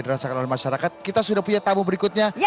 dirasakan oleh masyarakat kita sudah punya tamu berikutnya